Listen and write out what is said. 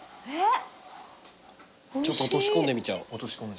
ちょっと落とし込んでみちゃお。